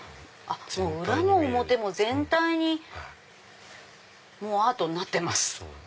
裏も表も全体にアートになってます。